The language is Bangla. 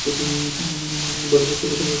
বাড়িতে স্বাগতম, এস্থার।